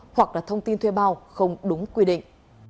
hoặc là thông tin thuê bao không đúng quy định